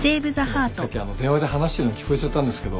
さっき電話で話してるの聞こえちゃったんですけど